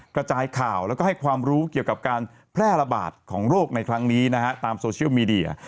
กระจายข่าวแล้วก็ให้ความรู้เกี่ยวกับการแพร่ระบาดของโรคในครั้งนี้นะฮะตามโซเชียลมีเดีย